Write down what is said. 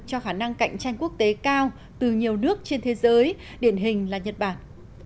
cho khả năng cạnh tranh quốc tế cao từ nhiều nước trên thế giới điển hình là nhật bản